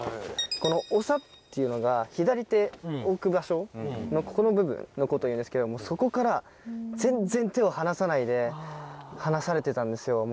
この筬っていうのが左手置く場所のここの部分のこと言うんですけどそこから全然手を離さないで話されてたんですよ。